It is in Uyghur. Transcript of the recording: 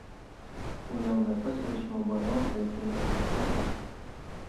ئۇنىڭ نەپەس ئېلىشىمۇ بارغانسېرى قىيىنلاشماقتا ئىدى.